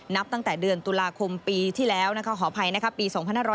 นับตั้งแต่เดือนตุลาคมปีที่แล้วนะคะขออภัยนะคะปี๒๕๖๐